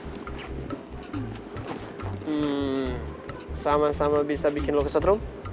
hmm sama sama bisa bikin lo kesetrum